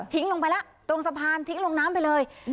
ลงไปแล้วตรงสะพานทิ้งลงน้ำไปเลย